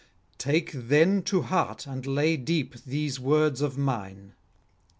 'Take then to heart and lay deep these words of mine.